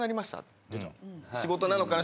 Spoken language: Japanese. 仕事なのかな？